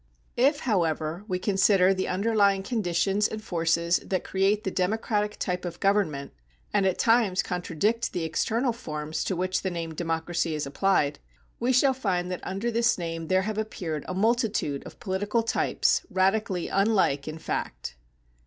If, however, we consider the underlying conditions and forces that create the democratic type of government, and at times contradict the external forms to which the name democracy is applied, we shall find that under this name there have appeared a multitude of political types radically unlike in fact.